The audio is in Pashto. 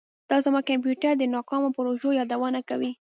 دا زما د کمپیوټر د ناکامو پروژو یادونه کوي